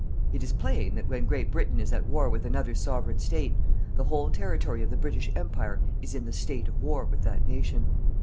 It is plain that when Great Britain is at War with another Sovereign State the whole territory of the British Empire is in the "State of War" with that Nation.